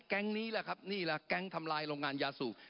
แก๊งนี้ละครับนี่ละแก๊งทำลายโรงงานยาสูบ